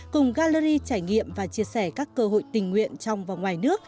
cùng gallery trải nghiệm và chia sẻ các cơ hội tình nguyện trong và ngoài nước